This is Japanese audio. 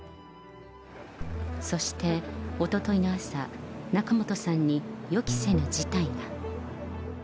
そして、おとといの朝、仲本さんに予期せぬ事態が。